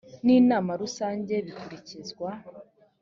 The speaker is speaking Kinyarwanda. n inama rusange bikurikizwa